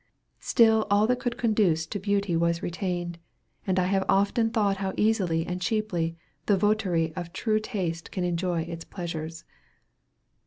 Still all that could conduce to beauty was retained; and I have often thought how easily and cheaply the votary of true taste can enjoy its pleasures.